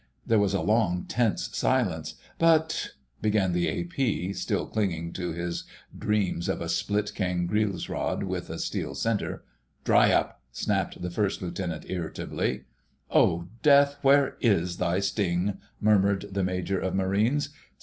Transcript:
There was a long, tense silence. "But——" began the A.P., still clinging to his dreams of a split cane grilse rod with a steel centre. "Dry up!" snapped the First Lieutenant irritably. "Oh Death, where is thy sting!" murmured the Major of Marines.